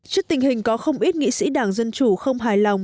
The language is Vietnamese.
trước tình hình có không ít nghị sĩ đảng dân chủ không hài lòng